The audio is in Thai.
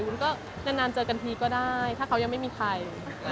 มันก็นานเจอกันทีก็ได้ถ้าเขายังไม่มีใคร